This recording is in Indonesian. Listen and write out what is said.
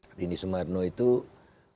orini sumarno itu menerapkan